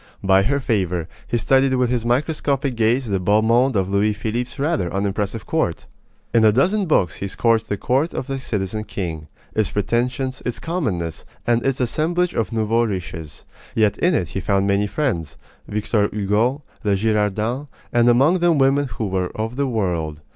By her favor, he studied with his microscopic gaze the beau monde of Louis Philippe's rather unimpressive court. In a dozen books he scourged the court of the citizen king its pretensions, its commonness, and its assemblage of nouveaux riches. Yet in it he found many friends Victor Hugo, the Girardins and among them women who were of the world.